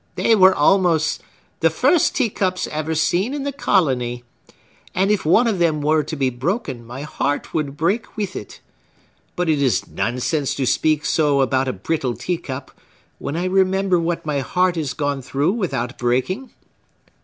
They were almost the first teacups ever seen in the colony; and if one of them were to be broken, my heart would break with it. But it is nonsense to speak so about a brittle teacup, when I remember what my heart has gone through without breaking."